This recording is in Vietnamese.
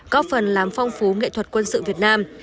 có phần làm phong phú nghệ thuật quân sự việt nam